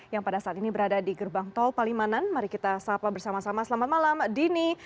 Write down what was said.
yang pada saat ini berada di gerbang tol palimanan mari kita sapa bersama sama selamat malam dini